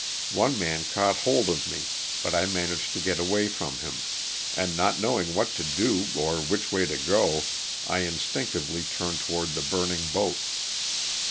One man caught hold of me but I managed to get away from him, and not knowing what to do or which way to go I in stinctively turned toward the burning boat.